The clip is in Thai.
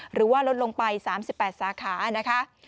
หรือว่าลดลงไป๓๘สาขานะคะ